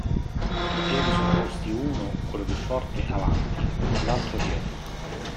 I piedi sono posti uno (quello più forte) avanti, l'altro dietro.